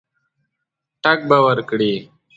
ټګ به ورکړي.